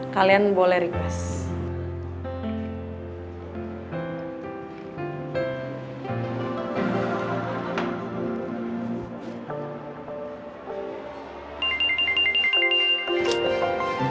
kalian boleh request